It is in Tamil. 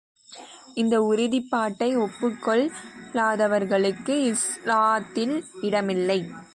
இந்த உறுதிப்பாட்டை ஒப்புக் கொள்ளாதவர்களுக்கு இஸ்லாத்தில் இடமில்லை.